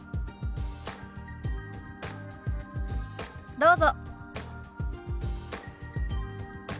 どうぞ。